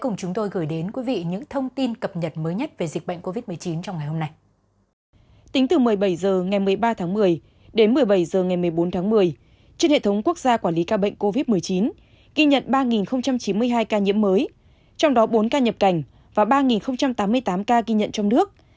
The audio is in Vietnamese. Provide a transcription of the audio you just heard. ghi nhận ba chín mươi hai ca nhiễm mới trong đó bốn ca nhập cảnh và ba tám mươi tám ca ghi nhận trong nước